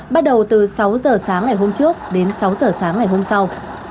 bắt đầu từ sáu giờ sáng ngày hôm trước đến sáu giờ sáng ngày hôm sau